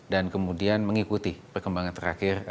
kemudian mengikuti perkembangan terakhir